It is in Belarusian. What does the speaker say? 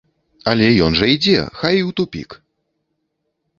Але ён жа ідзе, хай і ў тупік!